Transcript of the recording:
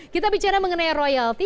kita bicara mengenai royalti